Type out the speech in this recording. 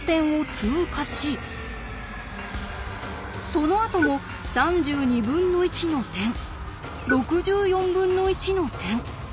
そのあとも３２分の１の点６４分の１の点。